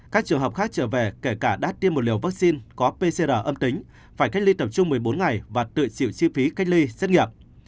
các trường hợp khác trở về kể cả đã tiêm một liều vaccine có pcr âm tính phải cách ly tập trung một mươi bốn ngày và tự chịu chi phí cách ly xét nghiệm